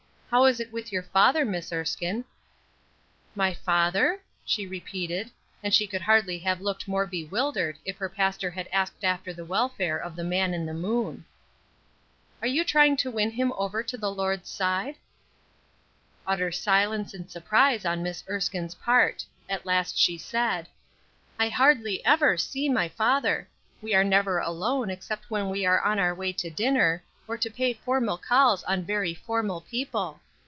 "How is it with your father, Miss Erskine?" "My father?" she repeated; and she could hardly have looked more bewildered if her pastor had asked after the welfare of the man in the moon. "Are you trying to win him over to the Lord's side?" Utter silence and surprise on Miss Erskine's part. At last she said: "I hardly ever see my father; we are never alone except when we are on our way to dinner, or to pay formal calls on very formal people.